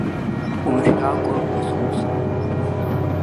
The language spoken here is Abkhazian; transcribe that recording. Умшәакәа уазхәыцла!